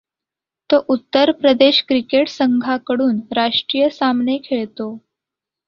तो उत्तर प्रदेश क्रिकेट संघाकडून राष्ट्रीय सामने खेळतो.